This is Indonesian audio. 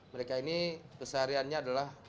mereka ini kesehariannya adalah